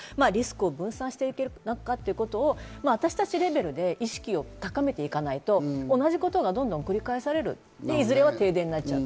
リスクを分散していけるのかということを私たちレベルで意識を高めていかないと同じことがどんどん繰り返される、いずれは停電になる。